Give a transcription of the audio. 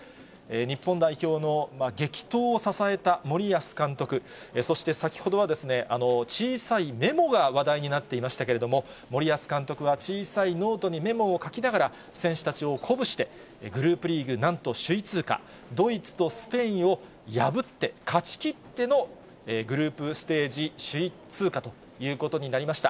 日本代表の激闘を支えた森保監督、そして、先ほどは、小さいメモが話題になっていましたけれども、森保監督は小さいノートにメモを書きながら、選手たちを鼓舞して、グループリーグなんと首位通過、ドイツとスペインを破って、勝ちきってのグループステージ首位通過ということになりました。